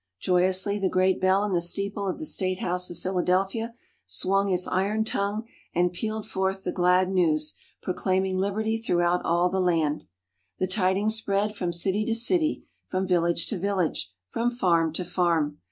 Joyously the great bell in the steeple of the State House at Philadelphia, swung its iron tongue and pealed forth the glad news, proclaiming Liberty throughout all the land. The tidings spread from city to city, from village to village, from farm to farm.